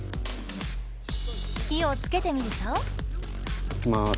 火をつけてみると。いきます。